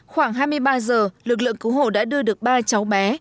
khoảng hai mươi ba giờ lực lượng cứu hộ đã đưa được ba cháu bé